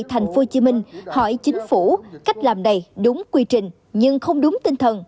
tp hcm hỏi chính phủ cách làm này đúng quy trình nhưng không đúng tinh thần